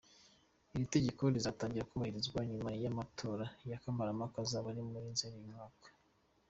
Iri tegeko rizatangira kubahirizwa nyuma y’amatora ya kamarampaka azaba muri Nzeri uyu mwaka.